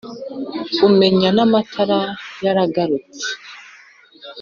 Umenya n’amata yagarutse.